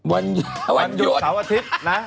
วันโยนวันโยนเสาร์อาทิตย์นะ